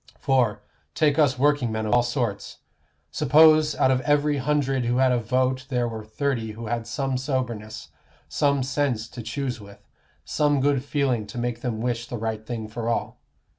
For, take us workingmen of all sorts. Suppose out of every hundred who had a vote there were thirty who had some soberness, some sense to choose with, some good feeling to make them wish the right thing for all.